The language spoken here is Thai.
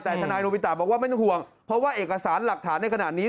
แต่ทนายโรบิตะบอกว่าไม่ต้องห่วงเพราะว่าเอกสารหลักฐานในขณะนี้